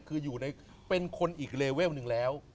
คืออยู่ในเป็นคนอีกเลเวลหนึ่งแล้ว